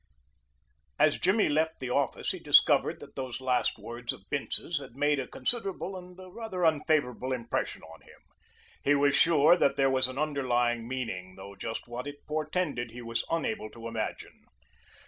As Jimmy left the office he discovered that those last words of Bince's had made a considerable and a rather unfavorable impression on him. He was sure that there was an underlying meaning, though just what it portended he was unable to imagine.